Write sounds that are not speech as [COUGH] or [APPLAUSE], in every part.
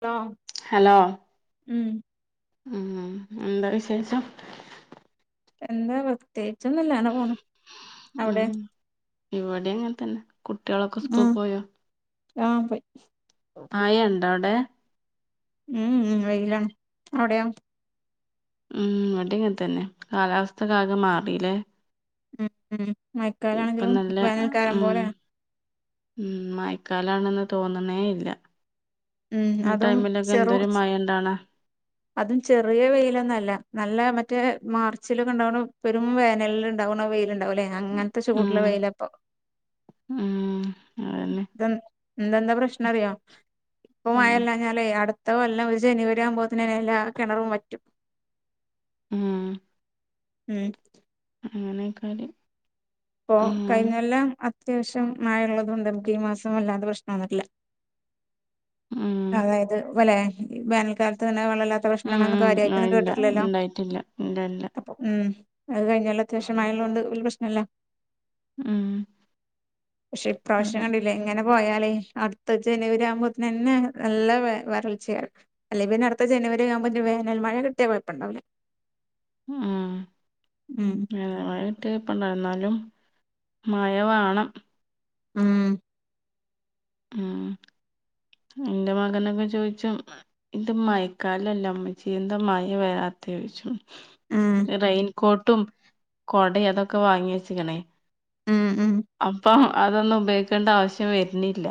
ആ ഹലോ ഉം ഉം എന്താ വിശേഷം എന്താ പ്രത്യേകിച്ചൊന്നുംല്ല അങ്ങനെ പോണ് അവിടെ ഉം ഇവിടെ അങ്ങനെ തന്നെ കുട്ടികളൊക്കെ സ്‌കൂളിൾ ആഹ് പോയോ ആഹ് പോയി മഴ ഉണ്ടോ അവിടെ ഉം ഉംവെയിലാണ് അവിടെയാ ഉം ഇവിടിം ഇങ്ങനെ തന്നെ കാലാവസ്ഥക്ക ആകെ മാറില്ലേ ഉം ഉം ഇപ്പൊ മയക്കാലാണെങ്കിലും നല്ല വേനൽക്കാലം ഉം പോലെയാണ് ഉം മായക്കാലാണെന്ന് തോന്നണേ ഇല്ല ഉം ഈ അതും ടൈമിലൊക്കെ ചെറു എന്തോരു മായണ്ടാണ അതും ചെറിയ വെയിലൊന്നും അല്ല നല്ല മറ്റേ മാർച്ചിലക്കെണ്ടാകണം പെരുും വേനല ണ്ടാവ്ണ വെയിലുണ്ടാവുലേ അങ്ങനത്തെ ചൂടുള്ള ഉം വെയിലപ്പൊ ഉം അതന്നെ ഇന്നെന്താ പ്രശ്നം അറിയോ ഇപ്പ മഴ ഉം ല്ലാഞാാലേ അടുത്ത കൊല്ലം ഒരു ജനുവരി ആകുമ്പോത്തനെല്ലാ കിണറും പറ്റും ഉം ഉം അങ്ങനെയ്ക്കാല് ഇപ്പൊ കഴിഞ്ഞെല്ലം അത്യാവശ്യം മഴ ഉള്ളത് കൊണ്ട് നമുക്ക് ഈ മാസം വല്ലാതെ പ്രശ്നം വന്നിട്ടില്ല ഉം അതായത് വലെ ഈ വേനൽക്കാലത്ത് വല്ലാതേ വെള്ളം ഇല്ലാ ഉം പ്രക്ഷണങ്ങളോന്നും ഉം ആ കാര്യയിട്ടൊന്നും ഇല്ല കേട്ട്ട്ട്ല്ലല്ലോ? ഇണ്ടായിട്ടില്ല ഇല്ല ഇല്ല ഉം അത് കഴിഞ്ഞാലും അത്യാവശ്യം മഴ ഇള്ളത് കൊണ്ട് വല്ല്യേ പ്രശ്നല്ല ഉം പക്ഷെ ഇപ്രാവശ്യം അതന്നെ കണ്ടില്ലേ ഇങ്ങനെ പോയാലേ അടുത്ത ജനുവരി ആവുമ്പോത്തിനന്നെ നല്ല വരൾച്ചയാവും അല്ലേ പിന്നെ അടുത്ത ജനുവരി ആകുമ്പോ വേനൽ മഴ കിട്ടിയ കോയപ്പണ്ടാവൂല ആഹ് [UNINTELLIGIBLE] ഉം ട്ട്യാ കോയപ്പണ്ടാവൂല എന്നാലും മഴ വാണം ഉം ഉം ഇന്റെ മകനൊക്കെ ചോയ്ച്ചും ഇത് മഴക്കാലല്ലേ ഇമ്മച്ചെ എന്താ മഴ വരാതേ ചോയ്ച്ചും ഉം റെയിൻകോട്ടും, കോടയും അതൊക്കെ വാങ്ങി വെച്ചിക്ണേ ഉം ഉം അപ്പം അതൊന്നും ഉപയോഗിക്കേണ്ട ആവശ്യം വര്ന്നില്ല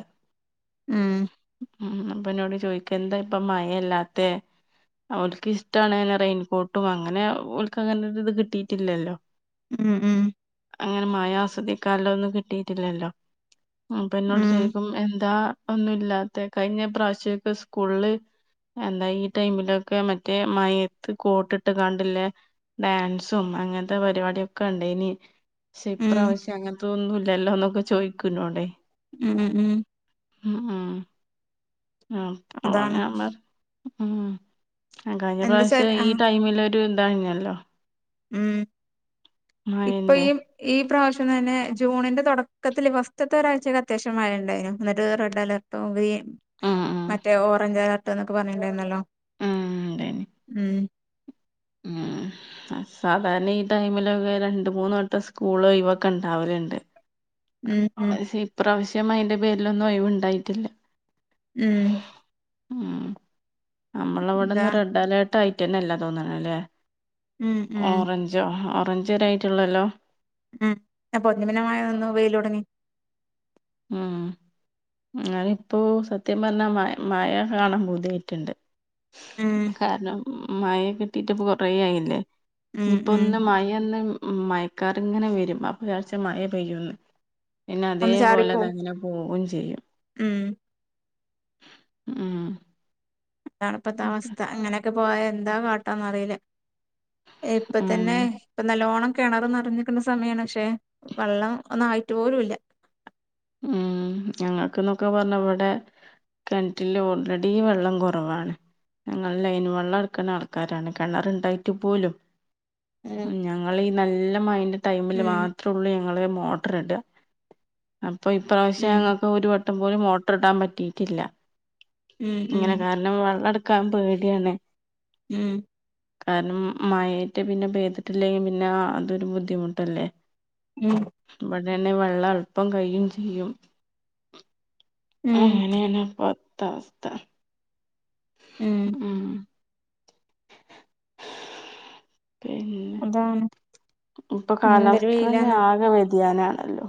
ഉം ഉം അപ്പ ഇന്നോട് ചോദിക്ക എന്താ ഇപ്പ മഴല്ലാത്തെ ഓൽക്കിഷ്ടാണ് റൈൻകോട്ടും അങ്ങനെ ഒൽകങ്ങൻത്തെരിത് കിട്ടീട്ടില്ലല്ലോ ഉം ഉം അങ്ങനെ മഴ ആസ്വദിക്കാലൊന്നും കിട്ടീട്ടില്ലല്ലോ അപ്പെ ഉം ഇന്നോട് ചോയ്ക്കും എന്താ ഇപ്പോന്നൂല്ലാതെ കഴിഞ്ഞപ്രാവശ്യ ഇപ്പ സ്കൂള് എന്താ ഈ ടൈമിലൊക്കെ മറ്റേ മഴത്ത് കോട്ടിട്ട് കാണ്ട്ല്ലേ ഡാൻസും അങ്ങൻത്തെ പരിപാടിക്കെ ഇണ്ടയ്നി പക്ഷെ ഉം ഇപ്രാവശ്യം അങ്ങൻതെതൊന്നും ഇല്ലല്ലോ ന്നൊക്കെ ചോയ്ക്കും ഇന്നോടെ ഉം ഉം ആഹ് ആഹ് അതാണ് ആഹ് [UNINTELLIGIBLE] ഉം എന്താച്ചാൽ കഴിഞ്ഞപ്രാവശ്യം ഈ ആഹ് ടൈമില് ട്ടു ന്തായിഞ്ഞല്ലോ ഉം ഇപ്പൊ മഴന്റെ ഈ ഈ പ്രാവശ്യം തന്നെ ജൂണിന്റെ തൊടക്കത്തില് ഫസ്റ്റ്‌ തൊരഴ്ചക്കെ അത്യാവശ്യം മഴണ്ടായിന് എന്നിട്ട് റെഡ്അലെർ ഉം [UNINTELLIGIBLE] ഉം മറ്റേ ഓറഞ്ച് അലർട്ട്ന്നൊക്കെ പറഞ്ണ്ടായിരുന്നല്ലോ ഉം ഉം ഏഹ് സാധാരണ ഈ ടൈമിലൊക്കെ രണ്ട് മൂന്ന് വട്ടം സ്ക്കൂളോയിവോക്കെ ഇണ്ടാവല്ണ്ട് മ്മ് മ്മ് ക്ഷേ ഇപ്രാവശ്യം അയ്ന്റെ പേരിലൊന്നും ഒഴിവ് ഇണ്ടായിട്ടില്ല ഉം നമ്മളെ എന്താ ഇവിടൊന്നും റെഡ് അലേർട്ട് ആയ്ട്ടന്നെ ഇല്ലാ തോന്ന്ണ്ലെ ഉം ഉം ഓറഞ്ച് ഞ്ചോ ഓറഞ്ചരെ ആയിട്ടോള്ളോല്ലോ ഉം പോതുമിനമായ ഒന്നും [UNINTELLIGIBLE] ആഹ് എന്നാലിപ്പോ സത്യം പർഞ്ഞാ മ മഴ കാണാൻ പൂതിയട്ടിണ്ട് ഉം കാരണം മഴ കിട്ടീട്ടപ്പ കൊറേ ആയില്ലേ ഉം ഇനിപൊ ഉം ന്ന് മയൊന്ന് മയക്കാർ ഇങ്ങനെ വരും അപ്പൊയാര്ച്ചും മഴ പെയ്യുംന്ന്. പിന്നെ ഒന്ന് അതേപോലെ ചാറിപ്പോവും തന്നെ പോവും ചെയ്യും ഉം മ്മ്ഹ് ഇതാണ് ഇപ്പത്തവസ്ഥ ഇങ്ങനൊക്കെപ്പോയാ എന്താ കാട്ടാന്നറീല്ല. ഏഹ് ഇപ്പ ഉം തന്നെ ഇപ്പ നല്ലോണം കെണർ നറഞ്ഞ് നിക്ക്ണ സമയാണ് പക്ഷെ വെള്ളം ഒന്നായിട്ടു പോലൂല്ല. മ്മ്ഹ് ഞങ്ങക്ക്ന്നൊക്കെ പറഞ്ഞാ ഇവടെ കെൻ്റ്റില് ഓൾറെഡി വെള്ളം കൊറവാണ്. ഞങ്ങൾ ലൈൻ വെള്ളം ഇട്ക്ക്ണെ ആൾക്കാരാണ് കെണർണ്ടായിട്ട് പോലും. ഉം ഞങ്ങളീ നല്ല മഴന്റെ ടൈമില് ഉം മാത്രൊള്ളു ഞങ്ങള് മൊട്ടറി ടാ. അപ്പൊ ഇപ്രാവശ്യം ഉം ഞങ്ങക്ക് ഒരു വട്ടം പോലും മോട്ടർ ഇടാൻ പറ്റിയിറ്റില്ല. ഉം ഉം ഇങ്ങനെ കാരണം വെള്ളം എടുക്കാൻ പേടിയാണ്. മ്മ്ഹ് കാരണം മഴ റ്റെ പിന്നെ പെയ്തിട്ടില്ലെങ്കി പിന്നാ അതൊരു ബുദ്ധിമുട്ടല്ലേ. മ്മ്ഹ് ഇവെടേണെ വെള്ളം എൾപ്പം കയ്യും ചെയ്യും. ഉം അങ്ങനേണ് ഇപ്പത്ത വസ്ഥ. ഉം മ്മ്ഹ് പിന്നെ താണ് ഇപ്പൊ കാലാവസ്ഥെന്നെ ആകെ വ്യതിയാനാണല്ലോ.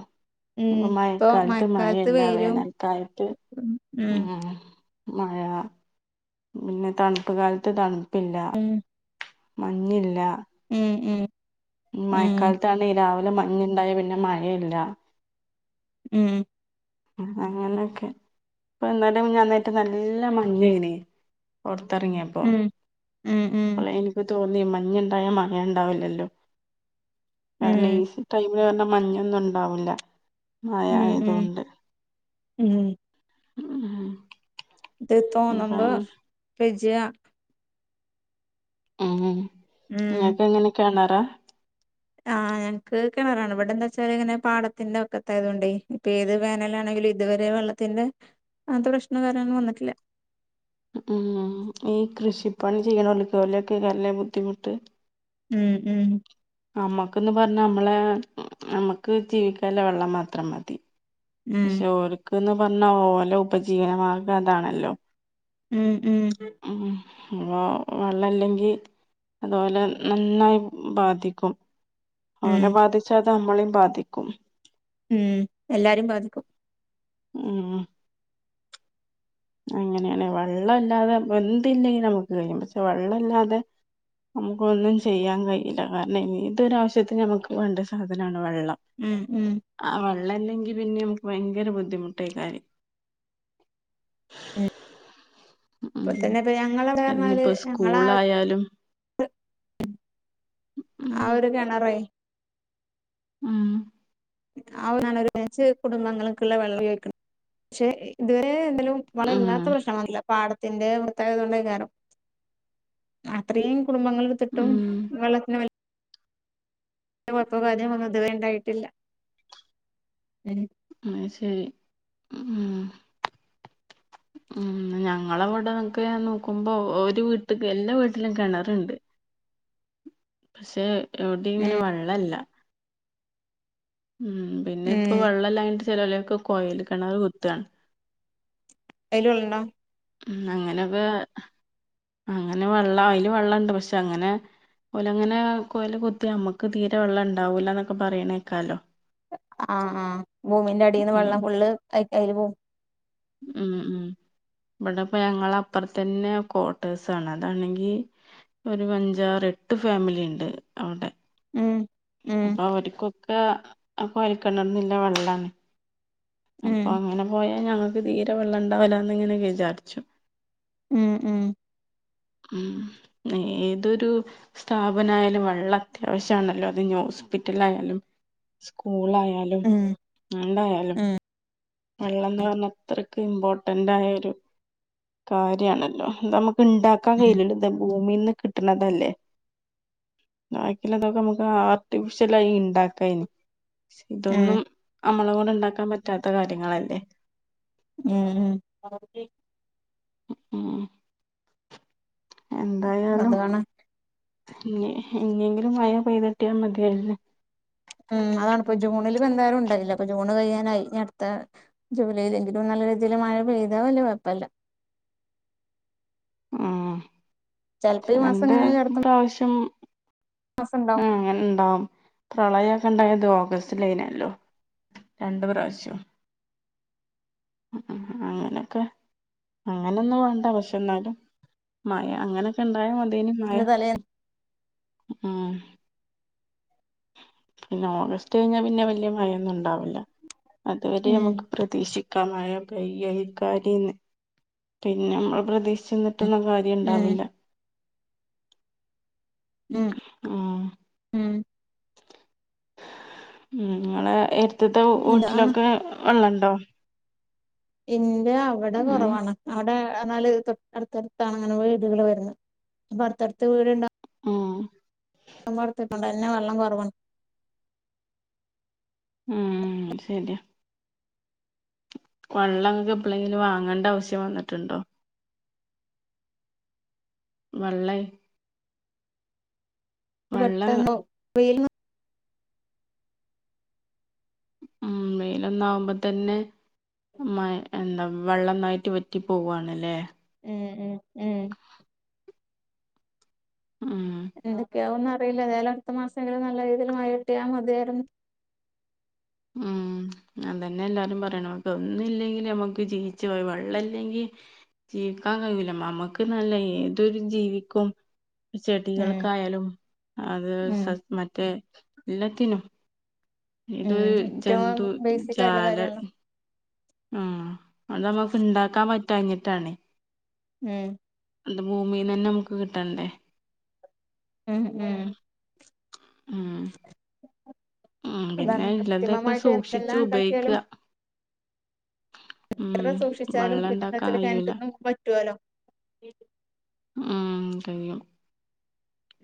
ഉം ഇപ്പം ഇപ്പൊ മഴക്കാലത്ത് മഴല്ലാ വെയിലും വേനൽക്കാലത്ത് ഉം ഉം മ്മ്ഹ് മഴാ. പിന്നെ തണ്പ്പ് കാലത്ത് തണ്പ്പ് ഇല്ല ഉം മഞ്ഞില്ലാ. ഉം ഉം ഉം മഴക്കാലത്താണെ രാവിലെ മഞ്ഞ് ഇണ്ടായാ പിന്നെ മഴല്ലാ. ഉം അങ്ങനെയൊക്കെ. ഇപ്പൊ ഇന്നെലിം മിഞ്ഞാന്നു ആയിറ്റ് നല്ല മഞ്ഞേനി. പൊറത്ത് എറങ്ങ്യേപ്പം. ഉം ഉം അപ്പളേ ഇൻക്ക് തോന്നി മഞ്ഞ് ഇണ്ടായാ മഴ ഇണ്ടാവൂലല്ലോ. ഉം കാരണം ഈ സ് ടൈ മ് പർഞ്ഞാ മഞ്ഞൊന്നും ഉണ്ടാവൂല്ല ഉം ഉം മയായതോണ്ട്. ഉം ഉംഹേഹ്. ഇത് തോന്ന്മ്പോ പെജ്ജാ. ഉം. ഉം ഇങ്ങക്കെങ്ങനേ കെണറാ? ആഹ് ഞങ്ങക്ക് കെണറാണ് ഇവടെ എന്താ വെച്ചാല് ഇങ്ങനെ പാടത്തിന്റെ വക്കത്തായതോണ്ടേ. ഇപ്പേത് വേനലാണെങ്കിലു ഇത് വേരെ വെള്ളത്തിന്റെ അങ്ങൻത്തെ പ്രശ്നം ഇത് വരെ ഒന്നും വന്നിട്ടില്ലാ. ഉം ഈ കൃഷിപ്പണി ചെയ്യ്ണോലൊക്കെ ഓലൊക്കേക്കാരലേ ബുദ്ധിമുട്ട് ഉം ഉം നമ്മക്ക് ന്ന് പറഞ്ഞാ നമ്മളെ നമ്മക്ക് ജീവിക്കാൻല്ലെ വെള്ളം മാത്രം മതി. ഉം പക്ഷേ ഓര്ക്ക് ന്ന് പർഞ്ഞാ ഓലെ ഉപജീവനമാർഗം അതാണല്ലോ. ഉം ഉം ഉം അപ്പൊ വെള്ളം ഇല്ലെങ്കി അത് പോലെ നന്നായി ബാധിക്കും ഉം അവനെ ബാധിച്ചാ അത് നമ്മളെയും ബാധിക്കും ഉം എല്ലാരെയും ബാധിക്കും ഉം ഉം അങ്ങനെയാണ് വെള്ളം ഇല്ലാതെ ഇപ്പം എന്ത് ഇല്ലെങ്കി നമ്മക്ക് കഴിയാൻ പറ്റും പക്ഷേ വെള്ളം ഇല്ലാതെ നമ്മുക്ക് ഒന്നും ചെയ്യാൻ കഴിയില്ല കാരണം എതൊര് ആവശ്യത്തിന് ഞമ്മക്ക് വേണ്ട സാധാനാണ് വെള്ളം ഉം ഉം ആഹ് വെള്ളം ഇല്ലെങ്കി പിന്നെ നമ്മക്ക് ഭയങ്കര ബുദ്ധിമുട്ട ഈ കാര്യം. ഇപ്പൊ ഉം തന്നെ ഇപ്പ ഞങ്ങളെ [UNINTELLIGIBLE] അതിഞ്ഞിപ്പോ ഞങ്ങളെ സ്കൂളായാലും ഉം ആഹ് ഒരു കിണറേ ഉം [UNINTELLIGIBLE] കുടുംബങ്ങൾക്കുള്ള വെള്ളം ഉപയോഗിക്ക്ണ പക്ഷേ ഇത് വരെ [UNINTELLIGIBLE] [UNINTELLIGIBLE] ഉം ഇല്ലാത്ത പ്രശ്നങ്ങള് ഇല്ല [UNINTELLIGIBLE] കേറും അത്രയും കുടുംബങ്ങള് എട്ത്തിട്ടും ഉം വെള്ളത്തിന് വല്യ കൊഴപ്പേ കാര്യങ്ങൾ ഒന്നും ഇതുവരെ ഇണ്ടായിട്ടില്ല ഉം അയ് ശരി ഉം ഉം ഞങ്ങളെ അവ്ടെക്കെ നോക്കുമ്പോ ഒര് വീട്ട്ക്ക് എല്ലാ വീട്ടിലും കിണറുണ്ട് പക്ഷേ എവിടെയും ഇങ്ങനെ ഉം വെള്ളം ഇല്ല ഉം പിന്നെ ഉം ഇപ്പൊ വെള്ളം ഇല്ലാഞ്ഞ്ട്ട് ചെലവരൊക്കെ കൊയൽ കിണറ് കുത്താണ് അയ്ല് വെള്ളം ഉണ്ടോ ഉം അങ്ങനെക്കെ അങ്ങനെ വെള്ളം അയില് വെള്ളം ഇണ്ട് പക്ഷേ അങ്ങനെ ഓല് അങ്ങനെ കൊയല് കുത്തി നമ്മക്ക് തീരെ വെള്ളം ഒണ്ടാവൂല്ലാ എന്നൊക്കെ പറയണേ കേക്കാല്ലോ ആഹ് ആഹ് ഭൂമിന്റെ അടിന്ന് ഉം വെള്ളം ഫുള്ള് [UNINTELLIGIBLE] ഉം ഉം ഇവ്ടെ ഇപ്പ ഞങ്ങള് അപ്പറത്ത് തന്നെ ക്വാർട്ടേഴ്സാണ് അതാണെങ്കി ഒരു അഞ്ചാറ് എട്ട് ഫാമിലി ഇണ്ട് അവ്ടെ ഉം ഉം അപ്പൊ അവര്കൊക്കെ ആഹ് കൊഴകിണറിന്നുള്ള വെള്ളാണ് അപ്പൊ ഉം അങ്ങനെ പോയാ ഞങ്ങക്ക് തീരെ വെള്ളം ഇണ്ടാവില്ലാന്ന് ഇങ്ങനെ വിചാരിച്ചു. ഉം ഉം ഉം ഏതൊരു. സ്ഥാപനമായാലും വെള്ളം അത്യാവശ്യമാണല്ലോ അത് ഹോസ്പിറ്റൽ ആയാലും സ്കൂൾ ആയാലും. ഉം എന്തായാലും വെള്ളന്ന് പറഞ്ഞ അത്ര ക്ക് ഇമ്പോർട്ടന്റ് ആയ ഒരു കാര്യമാണല്ലോ നമ്മുക്ക് ഇണ്ടാക്കാൻ ഉം കഴിയ്യൂല്ലല്ലോ. ഇത് ഭൂമിന്ന് കിട്ടണതല്ലേ. ബാക്കിയുള്ളതൊക്കെ നമ്മുക്ക് ആർട്ടിഫിഷ്യൽ ആയി ഇണ്ടാക്കാനി. ഇതൊന്നും ഉം നമ്മളെ കൊണ്ട് ഉണ്ടാക്കാൻ പറ്റാത്ത കാര്യങ്ങളല്ലേ. ഉം ഉം [UNINTELLIGIBLE] ഉം എന്തായാലും അതാണ് ഇ ഇനിയെങ്കിലും മഴ പെയ്ത് കിട്ടിയാൽ മതിയാരുന്ന്. ഉം അതാണ് ഇപ്പൊ ജൂണില് ഇപ്പോ എന്തായാലും ഉണ്ടായില്ല അപ്പൊ ജൂണ് കഴിയാനായി ഇനി അടുത്ത. ജൂലൈയിലെങ്കിലും നല്ല രീതിയിൽ മഴ പെയ്താ വലിയ കുഴപ്പമില്ല. ഉം ചിലപ്പോ ഈ മാസം രണ്ട് എങ്ങനെയാലും അടുത്ത പ്രാവശ്യം. [UNINTELLIGIBLE] ഉം അങ്ങനെ ഉണ്ടാവും പ്രളയൊക്കെ ഉണ്ടായത് ഓഗസ്റ്റ് [UNINTELLIGIBLE] രണ്ട് പ്രാവശ്യം. ഉം അങ്ങനെയൊക്കെ. അങ്ങനൊന്നും വേണ്ട പക്ഷെ എന്നാലും മഴ അങ്ങനൊക്കെ ഉണ്ടായാ മത്യേനു മഴ അതിന്റെ തലേന്ന് ഉം പിന്നെ ഓഗസ്റ്റ് കഴിഞ്ഞാൽ പിന്നെ വല്യ മഴയൊന്നും ഉണ്ടാവുല്ല അതുവരെ ഉം നമുക്ക്. പ്രതീക്ഷിക്കാ മയ പയ്യക്കാരിന്ന് പിന്നെ നമ്മ പ്രതീഷ് ചെന്നിട്ടൊന്നും കാര്യം ഉം ണ്ടാവില്ല. ഉം ഉം ഉം ങ്ങളെ എര് ത്തത്തെ ഇതാണ് വീട്ടിലൊക്കെ വള്ളണ്ടോ? ഇന്റെ അവടെ ഉം കുറവാണ്. അവിടെ എന്നാല് അടുത്തടുത്താണ് അങ്ങനെ വീടുകൾ വരുന്ന അപ്പ അടുത്തടുത്ത് വീട്ണ്ട ഉം [UNINTELLIGIBLE] എന്നെ വെള്ളം കുറവാ ഉം ശരിയാ. വള്ളം ങ്ങക്ക് എപ്പളെങ്കിലും വാങ്ങേണ്ട ആവശ്യം വന്നിട്ടുണ്ടോ? വള്ളെ ത് വെള്ളം പെട്ടെന്നു [UNINTELLIGIBLE] ഉം വെയിലൊന്നാവുമ്പോ തന്നെ. മയ് എന്താ വെള്ളംന്നായിട്ട് വറ്റി പോവാണല്ലേ? ഉം ഉം ഉം ഉം എന്തൊക്ക്യാവോന്നറിയില്ല ന്തായാലും അടുത്ത മാസങ്കിലും നല്ല രീതിൽ മഴ കിട്ടിയാൽ മതിയാരുന്നു. ഉം അതന്നെ എല്ലാരും പറയണം ഒന്നില്ലെങ്കില് നമ്മുക്ക് ജീവിച്ച്പോവ വെള്ളല്ലെങ്കി. ജീവിക്കാൻ കയ്യൂല നമുക്ക് ന്നല്ല ഏതൊരു ജീവിക്കും. ഉം ചെടികൾക്കായാലും അത് ഉം സ മറ്റേ എല്ലത്തിനും. ഇത് ഉം ഏറ്റവും ജന്തു ബേസിക് ആയിട്ടുള്ള ജാല. കാര്യങ്ങള് ആഹ് അതമ്മക്ക് ണ്ടാക്കാൻ പറ്റാഞ്ഞിട്ടാണ്. ഉം അത് ഭൂമിന്നന്നെ നമുക്ക് കിട്ടണ്ടേ. എഹ് ഏഹ് ഉം ഉം അതാണ് പിന്നെ ഇല്ലതൊക്കെ കൃത്രിമമായിട്ട് സൂക്ഷിച്ചു എന്തെല്ലാം ഉപയോഗിക്ക. ഉണ്ടാക്കിയാലും എത്ര സൂക്ഷിച്ചാലും വെള്ളം പിന്നെ ഇണ്ടാക്കാൻ എന്താച്ചാല് കഴിയൂല കെന്റ്ന്നും പറ്റോല്ലോ. ഉം കയ്യും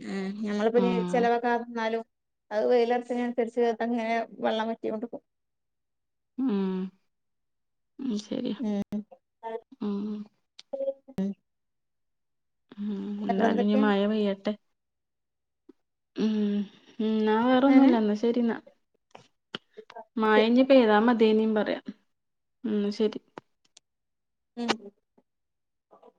ഉം ഞങ്ങളിപ്പോ ഞ്ഞി ഉം ചെിലവാക്കാന്നാലും അഹ് വെയിലർച്ചിനനുസരിച്ച് അങ്ങനെ വെള്ളം വറ്റ്യോണ്ട്ക്കും ഉം ശരിയാ ഉം ഉം ഉം എന്താലും ഞ് വേറെന്തൊക്കെയാ മഴ പെയ്യട്ടെ ഉം ഉം ഞാൻ വേറെ അങ്ങനെ ഒന്നുല്ല ന്നാ ശരിന്നാ ഓക്കെ മയഞ്ഞി പെയ്താ മതിയേഞ്ഞി പറയാ ഉം ശരി ഉം